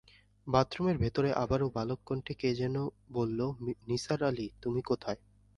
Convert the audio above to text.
বাথরুমের ভেতরে আবারো বালক-কণ্ঠে কে যেন বলল, নিসার আলি, তুমি কোথায়?